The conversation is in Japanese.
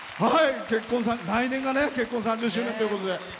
来年が結婚３０周年ということで。